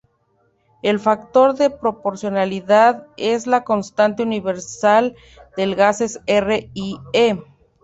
El factor de proporcionalidad es la constante universal de gases, "R", i.e.